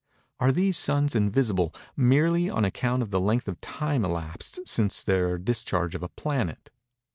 Are these suns invisible merely on account of the length of time elapsed since their discharge of a planet?